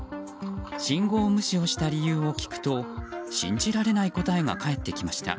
信号無視をした理由を聞くと信じられない答えが返ってきました。